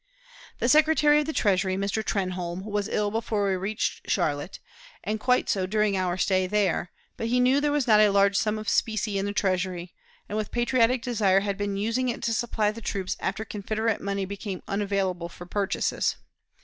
The Secretary of the Treasury, Mr. Trenholm, was ill before we reached Charlotte, and quite so during our stay there, but he knew there was not a large sum of specie in the Treasury, and with patriotic desire had been using it to supply the troops after Confederate money became unavailable for purchases.